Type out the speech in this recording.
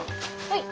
はい。